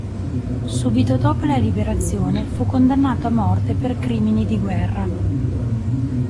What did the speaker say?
Subito dopo la Liberazione fu condannato a morte per crimini di guerra.